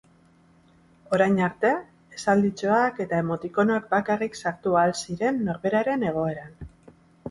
Orain arte, esalditxoak eta emotikonoak bakarrik sartu ahal ziren norberaren egoeran.